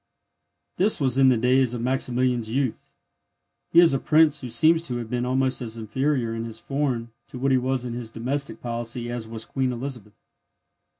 This was in the days of Maximilian's youth. He is a prince who seems to have been almost as inferior in his foreign to what he was in his domestic policy as was Queen Elizabeth.